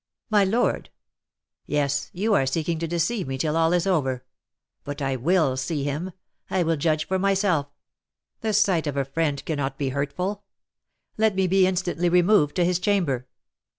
"My lord " "Yes, you are seeking to deceive me till all is over. But I will see him, I will judge for myself; the sight of a friend cannot be hurtful. Let me be instantly removed to his chamber."